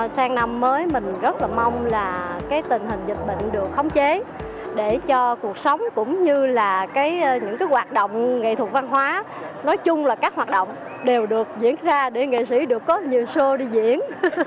sang năm mới mình rất là mong là tình hình dịch bệnh được khống chế để cho cuộc sống cũng như là những hoạt động nghệ thuật văn hóa nói chung là các hoạt động đều được diễn ra để nghệ sĩ được có nhiều show đi diễn